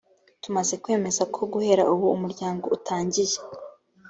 tumaze kwemeza ko guhera ubu umuryango utangiye